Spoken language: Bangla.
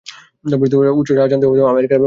উচ্চস্বরে আযান দেওয়া আমেরিকার প্রথম মসজিদ এটি।